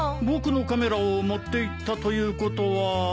僕のカメラを持っていったということは。